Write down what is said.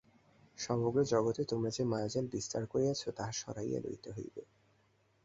সমগ্র জগতে তোমরা যে মায়াজাল বিস্তার করিয়াছ, তাহা সরাইয়া লইতে হইবে।